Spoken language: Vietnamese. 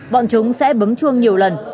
bọn chúng sẽ bấm chuông nhiều lần